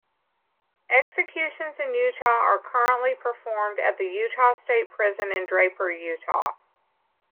Executions in Utah are currently performed at the Utah State Prison in Draper, Utah.